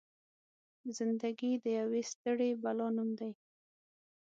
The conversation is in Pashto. زنده ګي د يوې ستړې بلا نوم دی.